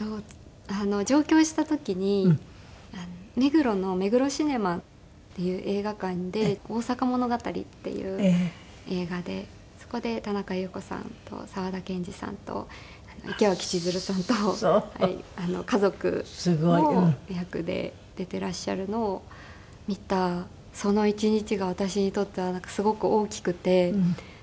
上京した時に目黒の目黒シネマっていう映画館で『大阪物語』っていう映画でそこで田中裕子さんと沢田研二さんと池脇千鶴さんと家族の役で出ていらっしゃるのを見たその一日が私にとってはすごく大きくて。